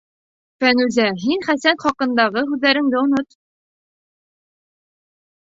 Фәнүзә, һин Хәсән хаҡындағы һүҙҙәремде онот.